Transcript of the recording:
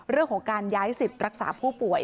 เรื่องของการย้ายสิทธิ์รักษาผู้ป่วย